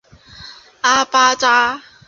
阿巴扎。